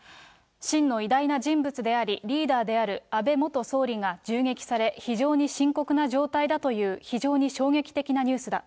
真の偉大な人物であり、リーダーである安倍元総理が銃撃され、非常に深刻な状態だという非常に衝撃的なニュースだ。